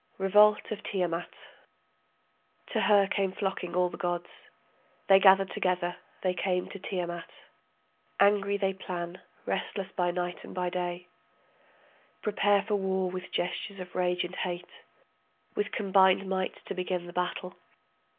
REVOLT OF TIAMAT To her came flocking all the gods, They gathered together, they came to Tiamat; Angry they plan, restless by night and by day, Prepare for war with gestures of rage and hate, With combined might to begin the battle.